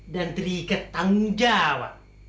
dan terikat tanggung jawab